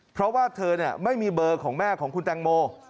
เพราะว่าเธอไม่มีเบอร์ของแม่ของคุณแตงโม